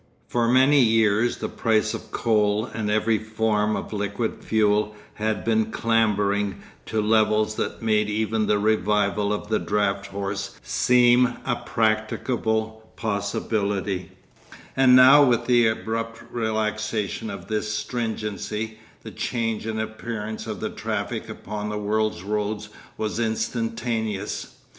For many years the price of coal and every form of liquid fuel had been clambering to levels that made even the revival of the draft horse seem a practicable possibility, and now with the abrupt relaxation of this stringency, the change in appearance of the traffic upon the world's roads was instantaneous.